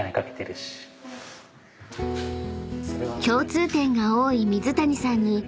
［共通点が多い水谷さんに］